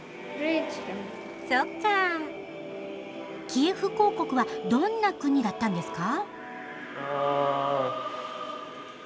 キエフ公国はどんな国だったんですか？